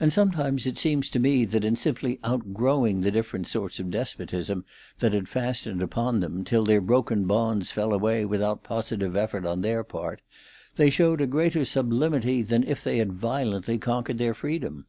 And sometimes it seems to me that in simply outgrowing the different sorts of despotism that had fastened upon them, till their broken bonds fell away without positive effort on their part, they showed a greater sublimity than if they had violently conquered their freedom.